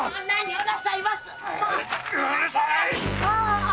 うるさい！